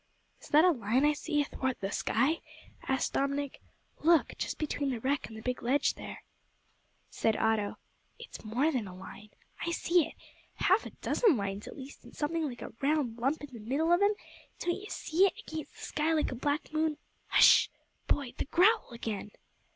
"Is that a line I see athwart the sky?" asked Dominick, "look just between the wreck and the big ledge there." Said Otto, "It's more than a line. I see it. Half a dozen lines at least, and something like a round lump in the middle of 'em. Don't you see it? against the sky like a black moon " "Hush! boy the growl again!"